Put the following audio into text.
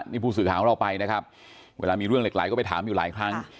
นี่ผู้สื่อข่าวของเราไปนะครับเวลามีเรื่องเหล็กไหลก็ไปถามอยู่หลายครั้ง